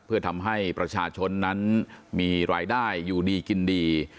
เพื่อทำให้ประชาชนนั้นมีรายได้อยู่ดีกินดี